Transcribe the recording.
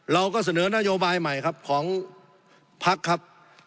เราก็เสนอนโยบายใหม่ครับของพักครับ